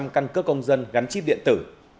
căn cước công dân gắn chip điện tử